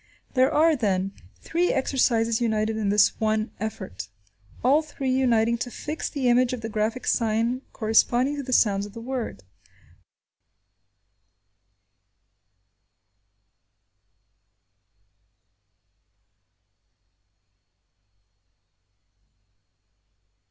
There are, then, three exercises united in this one effort, all three uniting to fix the image of the graphic sign corresponding to the sounds of the word.